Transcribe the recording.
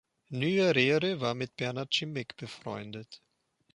Nyerere war mit Bernhard Grzimek befreundet.